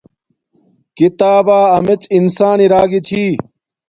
کتابا امیڎ انسان ارا گی چھی